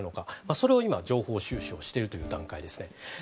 それを今、情報収集をしているという段階ですね。